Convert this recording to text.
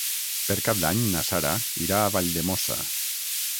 Per Cap d'Any na Sara irà a Valldemossa.